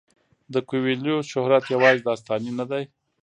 د کویلیو شهرت یوازې داستاني نه دی.